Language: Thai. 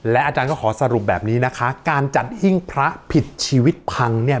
อาจารย์ก็ขอสรุปแบบนี้นะคะการจัดหิ้งพระผิดชีวิตพังเนี่ย